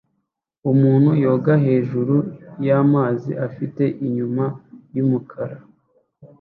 Umuntu yoga hejuru y'amazi afite inyuma yumukara